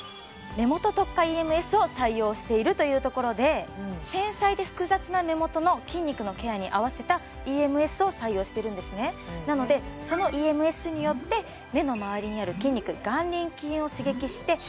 目元特化ＥＭＳを採用しているというところで繊細で複雑な目元の筋肉のケアに合わせたＥＭＳを採用してるんですねなのでそのＥＭＳによって目のまわりにある筋肉眼輪筋を刺激して気になる目元のもたつき感のスッキリが目指せるんです